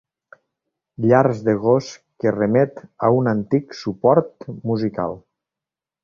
Llars de gos que remet a un antic suport musical.